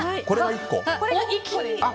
これが１個？